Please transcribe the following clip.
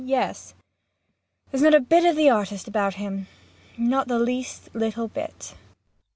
MAIA. Yes. There's not a bit of the artist about him not the least little bit.